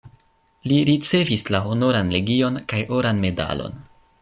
Li ricevis la Honoran legion kaj oran medalon.